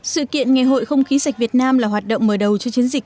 sự kiện ngày hội không khí sạch việt nam là hoạt động mở đầu cho chiến dịch